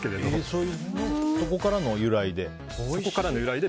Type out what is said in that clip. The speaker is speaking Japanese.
そういうところからの由来で。